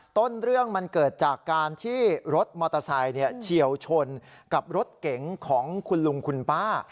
ต้นเรื่องมันเกิดจากการที่รถมอเตอร์ไซค์เฉียวชนกับรถเก๋งของคุณลุงคุณป้า